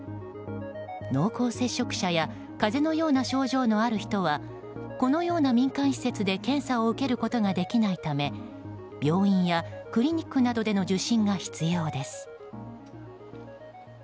濃厚接触者や風邪のような症状のある人はこのような民間施設で検査を受けることができないため病院やクリニックなどでの受診が必要です。